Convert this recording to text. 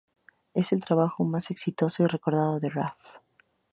Es el trabajo más exitoso y recordado de Raf.